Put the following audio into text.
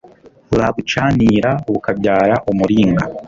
babucanira, bukabyara umuringa